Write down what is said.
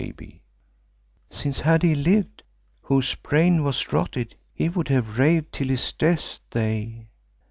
—JB]—since had he lived whose brain was rotted, he would have raved till his death's day.